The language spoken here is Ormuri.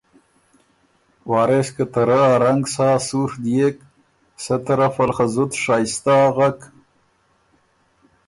وارث که ته رۀ ا رنګ سا سُوڒ ديېک سۀ طرفه ل خه زُت شائِستۀ اغک،